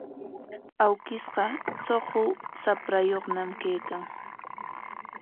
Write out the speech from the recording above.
Awkishqa suqu shaprayuqñam kaykan.